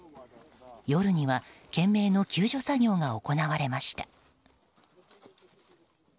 夜には、懸命の救助作業が行われました。